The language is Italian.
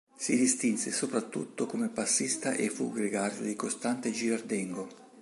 Si distinse soprattutto come passista e fu gregario di Costante Girardengo.